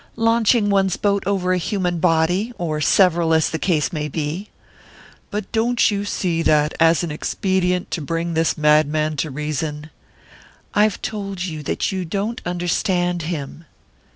"Launching one's boat over a human body or several, as the case may be!" "But don't you see that, as an expedient to bring this madman to reason " "I've told you that you don't understand him!"